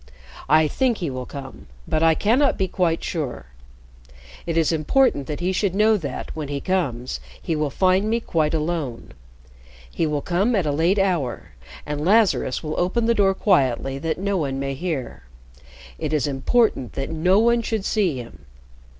"I think he will come, but I cannot be quite sure. It is important that he should know that, when he comes, he will find me quite alone. He will come at a late hour, and Lazarus will open the door quietly that no one may hear. It is important that no one should see him.